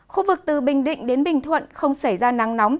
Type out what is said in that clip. khu vực từ bình định đến bình thuận không xảy ra nắng nóng